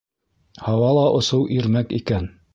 Һауала осоу ирмәк икән.